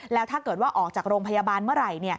แล้วถ้าเกิดว่าออกจากโรงพยาบาลเมื่อไหร่